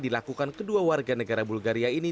dilakukan kedua warga negara bulgaria ini